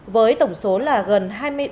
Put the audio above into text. với tổng số là gần hai tỷ đồng